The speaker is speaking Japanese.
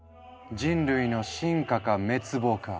人類の進化か滅亡か！